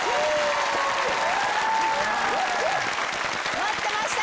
待ってました！